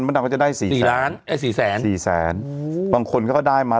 มดัมก็จะได้สี่แสนสี่ล้านสี่แสนสี่แสนโอ้โหบางคนเขาก็ได้มา